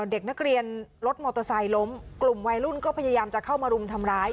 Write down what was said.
เด็กนักเรียนรถมอเตอร์ไซค์ล้มกลุ่มวัยรุ่นก็พยายามจะเข้ามารุมทำร้าย